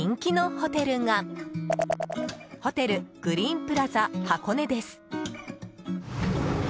ホテルグリーンプラザ箱根です。